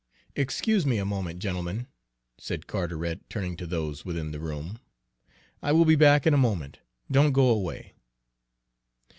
"Excuse me a moment, gentlemen," said Carteret, turning to those within the room. "I'll be back in a moment don't go away."